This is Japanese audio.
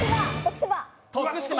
徳島。